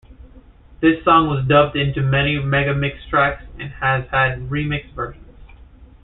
This song was dubbed into many megamix tracks and has had remix versions.